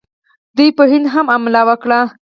دوی په هند هم حملې وکړې